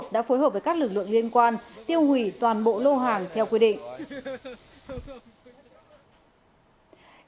đã phối hợp với các lực lượng liên quan tiêu hủy toàn bộ lô hàng theo quy định